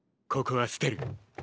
ここは捨てる。